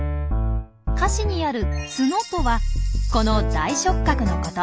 歌詞にある「つの」とはこの大触角のこと。